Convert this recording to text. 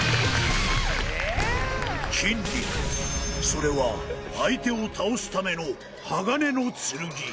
筋肉それは相手を倒すための鋼の剣。